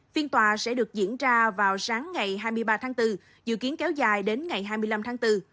phiên tòa sẽ được diễn ra vào sáng ngày hai mươi ba tháng bốn dự kiến kéo dài đến ngày hai mươi năm tháng bốn